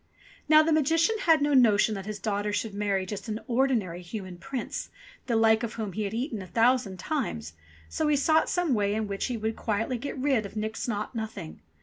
Now the Magician had no notion that his daughter should marry just an ordinary human prince, the like of whom he had eaten a thousand times, so he sought some way in which he could quietly get rid of Nix Naught Nothing.